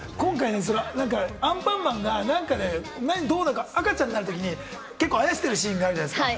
今回、アンパンマンが何かで赤ちゃんになるときに、あやしてるシーンがあるじゃないですか。